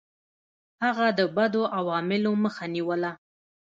هغه د بدو عواملو مخه نیوله.